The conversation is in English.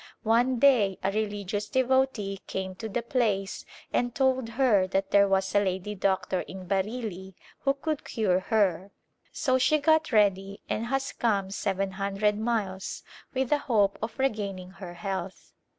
One day a religious devotee came to the place and told her that there was a lady doctor in Bareilly who could cure her, so she got ready and has come seven hundred miles with the hope of regaining her health.